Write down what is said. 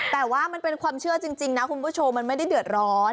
แต่ว่ามันเป็นความเชื่อจริงนะคุณผู้ชมมันไม่ได้เดือดร้อน